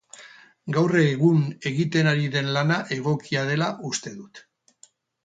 Gaur egun egiten ari den lana egokia dela uste dut.